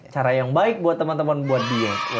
cara yang baik buat teman teman buat dia